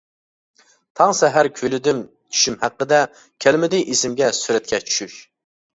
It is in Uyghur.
تاڭ سەھەر كۈيلىدىم چۈشۈم ھەققىدە، كەلمىدى ئېسىمگە سۈرەتكە چۈشۈش.